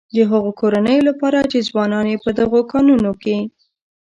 د هغه کورنيو لپاره چې ځوانان يې په دغه کانونو کې.